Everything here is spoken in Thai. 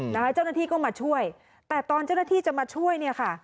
เจ้าหน้าที่ก็มาช่วยแต่ตอนเจ้าหน้าที่จะมาช่วยเนี่ยค่ะ